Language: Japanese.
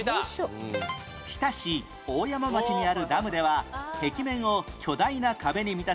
日田市大山町にあるダムでは壁面を巨大な壁に見立て